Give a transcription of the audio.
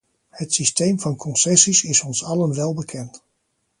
Het systeem van concessies is ons allen welbekend.